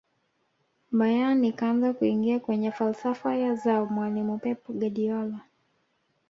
bayern ikaanza kuingia kwenye falsafa za mwalimu pep guardiola